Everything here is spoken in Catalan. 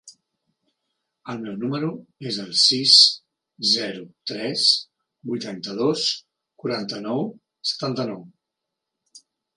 El meu número es el sis, zero, tres, vuitanta-dos, quaranta-nou, setanta-nou.